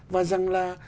và rằng là